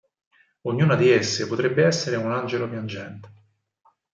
Ognuna di esse potrebbe essere un angelo piangente.